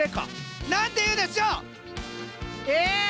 何ていうでしょう？え！？